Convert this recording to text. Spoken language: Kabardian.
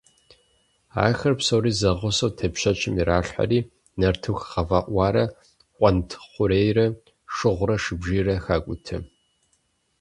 Ахэр псори зэгъусэу тепщэчым иралъхьэри, нартыху гъэфӀэӀуарэ къуэнтхъурейрэ, шыгъурэ шыбжийрэ хакӀутэ.